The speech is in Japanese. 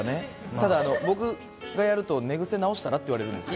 ただ、僕がやると、寝癖直したらって言われるんですよ。